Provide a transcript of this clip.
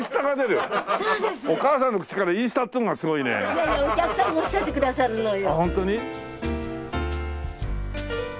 いやいやお客さんがおっしゃってくださるのよ。